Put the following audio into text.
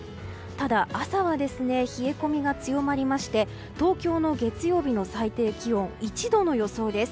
ただ、朝は冷え込みが強まりまして東京の月曜日の最低気温１度の予想です。